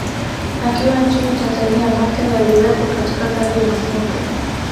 Akiwa nchini Tanzania Machel aliwekwa katika kambi ya mafunzo